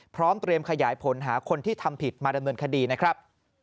พร้อมเตรียมขยายผลหาคนที่ทำผิดมาดำเนินคดีนะครับ